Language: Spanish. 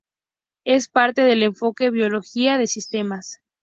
Es parte del enfoque biología de sistemas.